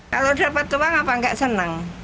kalau dapat keuangan apa nggak senang